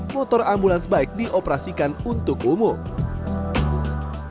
motor ambulans bike dioperasikan untuk umum